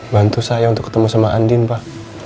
bantu saya untuk ketemu sama andin pak